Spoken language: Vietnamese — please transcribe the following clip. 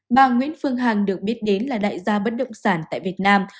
bà nguyễn phương hằng được biết đến là đại gia bất động sản tại việt nam